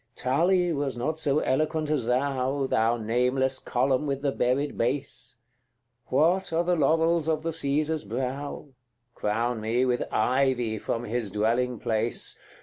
CX. Tully was not so eloquent as thou, Thou nameless column with the buried base! What are the laurels of the Caesar's brow? Crown me with ivy from his dwelling place.